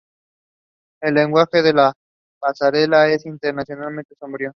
El lenguaje de la pasarela es intencionadamente sobrio.